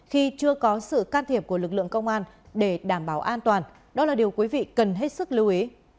khi chưa có sự can thiệp của lực lượng công an để đảm bảo an toàn đó là điều quý vị cần hết sức lưu ý